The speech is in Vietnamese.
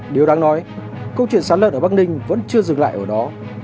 điều đáng nói câu chuyện sán lợn ở bắc ninh vẫn chưa dừng lại ở đó